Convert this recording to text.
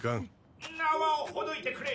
縄をほどいてくれ！